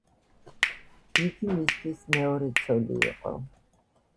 იგი მისთვის მეორე ცოლი იყო.